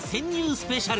スペシャル